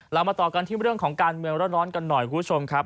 เรามาต่อกันที่เรื่องของการเมืองร้อนกันหน่อยคุณผู้ชมครับ